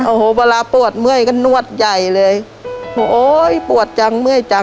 โอ้โหเวลาปวดเมื่อยกันนวดใหญ่เลยโหยปวดจังเมื่อยจัง